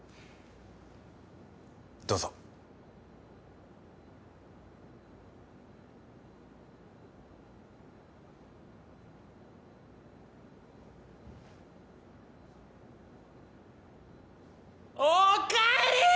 どうぞおかえりー！